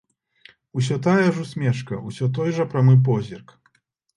Усё тая ж усмешка, усё той жа прамы позірк.